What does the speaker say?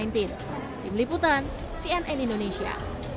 tim liputan cnn indonesia